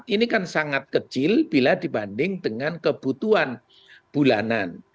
ini kan sangat kecil bila dibanding dengan kebutuhan bulanan